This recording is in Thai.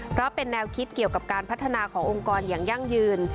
เพราะเป็นแนวคิดเกี่ยวกับการพัฒนาขององค์กรอย่างยั่งยืน